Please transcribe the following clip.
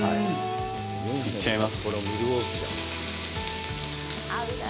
いっちゃいます。